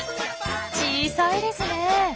小さいですね。